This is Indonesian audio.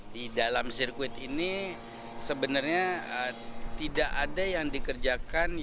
di dalam sirkuit ini sebenarnya tidak ada yang dikerjakan